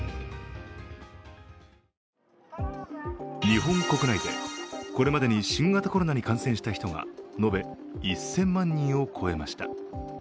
日本国内でこれまでに新型コロナに感染した人が延べ１０００万人を超えました。